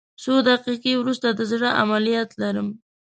څو دقیقې وروسته د زړه عملیات لرم